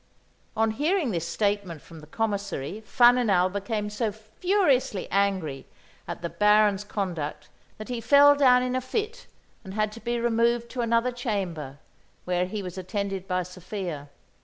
On hearing this statement from the Commissary, Faninal became so furiously angry at the Baron's conduct that he fell down in a fit and had to be removed to another chamber, where he was attended by Sophia.